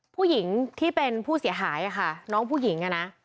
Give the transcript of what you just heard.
ผู้หญิงที่เป็นผู้เสียหายค่ะน้องผู้หญิงอ่ะนะ